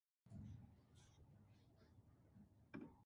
Goux won the race, becoming the first French person to ever do so.